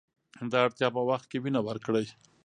د اړتیا په وخت کې وینه ورکړئ.